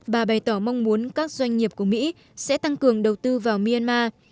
bà bày tỏ mong muốn các doanh nghiệp của mỹ sẽ tăng cường đầu tư vào myanmar